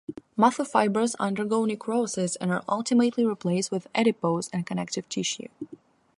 Muscle fibers undergo necrosis and are ultimately replaced with adipose and connective tissue.